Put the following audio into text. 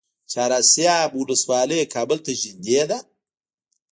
چهار اسیاب ولسوالۍ کابل ته نږدې ده؟